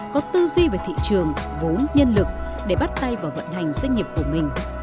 có tư duy về thị trường vốn nhân lực để bắt tay vào vận hành doanh nghiệp của mình